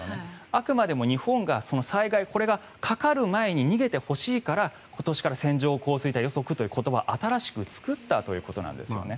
あくまでも日本が災害これがかかる前に逃げてほしいから、今年から線状降水帯予測という言葉を新しく作ったということなんですね。